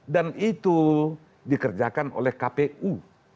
dan itu dikerjakan oleh kpu